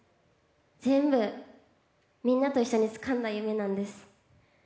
全部、みんなと一緒につかんだ夢なんです。